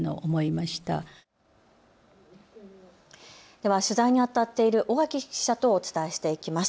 では取材にあたっている尾垣記者とお伝えしていきます。